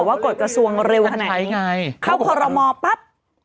ว่ากดกระทรวงเร็วขนาดนี้เข้าพรหมอปั๊บ